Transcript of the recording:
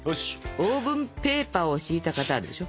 オーブンペーパーを敷いた型あるでしょ。